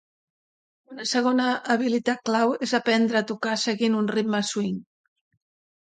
Una segona habilitat clau és aprendre a tocar seguint un ritme de swing.